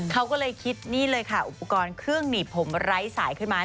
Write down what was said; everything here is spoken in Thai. เขาก็เลยคิดนี่เลยค่ะอุปกรณ์เครื่องหนีบผมไร้สายขึ้นมา